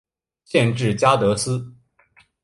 县治加的斯。